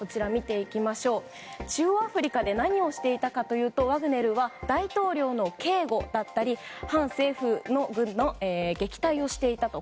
中央アフリカで何をしていたかというとワグネルは大統領の警護だったり反政府軍の撃退をしていたと。